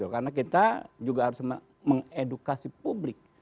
karena kita juga harus mengedukasi publik